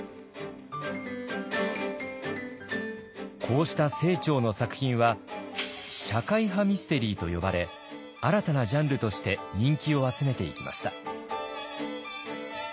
こうした清張の作品は社会派ミステリーと呼ばれ新たなジャンルとして人気を集めていきました。